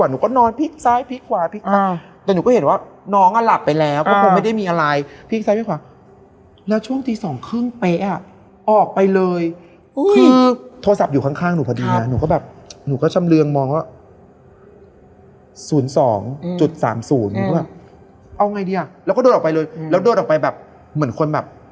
หนูจะมองโถสีส้มเลยว่าแบบ